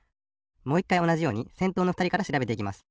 もう１かいおなじようにせんとうのふたりからしらべていきます。